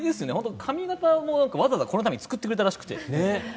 髪形もわざわざこのために作ってくれたらしくて。